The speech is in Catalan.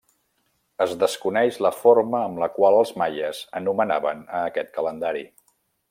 Es desconeix la forma amb la qual els maies anomenaven a aquest calendari.